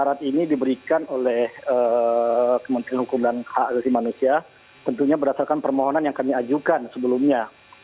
syarat ini diberikan oleh kementerian hukum dan hak asasi manusia tentunya berdasarkan permohonan yang kami ajukan sebelumnya